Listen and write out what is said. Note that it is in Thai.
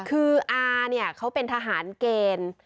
คืออานี่เขาเป็นทหารเกียรติ